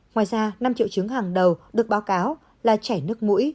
ngoài ra năm triệu chứng hàng đầu được báo cáo là chảy nước mũi